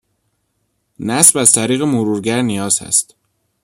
نصب از طریق مرورگر نیاز هست